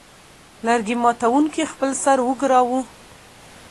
لرګي ماتوونکي خپل سر وګراوه.